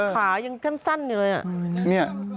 ขายังต้นสั้นอยู่เลย